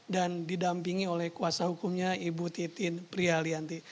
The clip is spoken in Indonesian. dan didampingi oleh kuasa hukumnya ibu titin priyalianti